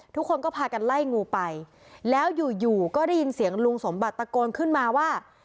ทุกคนก็พากันไล่งูไปแล้วอยู่อยู่ก็ได้ยินเสียงลุงสมบัติตะโกนขึ้นมาว่า